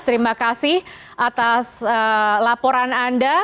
terima kasih atas laporan anda